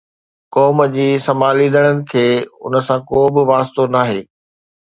قوم جي سنڀاليندڙ کي ان سان ڪو به واسطو ناهي